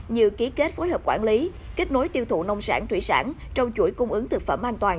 như ký kết phối hợp quản lý kết nối tiêu thụ nông sản thủy sản trong chuỗi cung ứng thực phẩm an toàn